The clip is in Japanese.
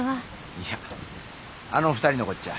いやあの２人のこっちゃ。